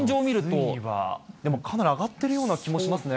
水位は、でもかなり上がってるような気もしますね。